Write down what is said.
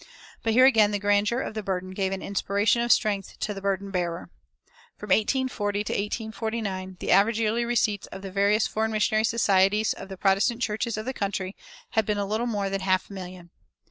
But here again the grandeur of the burden gave an inspiration of strength to the burden bearer. From 1840 to 1849 the average yearly receipts of the various foreign missionary societies of the Protestant churches of the country had been a little more than a half million.